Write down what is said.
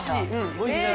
おいしい。